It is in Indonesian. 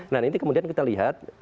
nah ini kemudian kita lihat